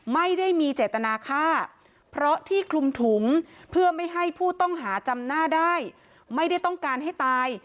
ไม่ได้มีเจตนาฆ่าเพราะที่คลุมถุงเพื่อไม่ให้ผู้ต้องหาจำหน้าได้ไม่ได้ต้องการให้ตาย